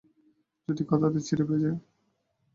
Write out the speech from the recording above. যদি কথাতে চিড়ে ভেজে।